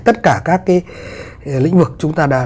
tất cả các cái lĩnh vực chúng ta đã